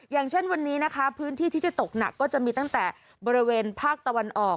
อย่างเช่นวันนี้นะคะพื้นที่ที่จะตกหนักก็จะมีตั้งแต่บริเวณภาคตะวันออก